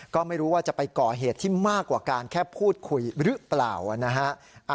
ก็ไม่รู้ว่าจะไปก่อเหตุที่มากกว่าการแค่พูดคุยหรือเปล่านะฮะ